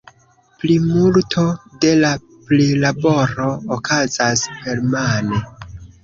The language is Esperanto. Plimulto de la prilaboro okazas permane.